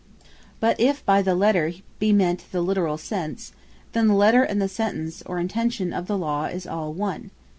But if by the Letter, be meant the Literall sense, then the Letter, and the Sentence or intention of the Law, is all one.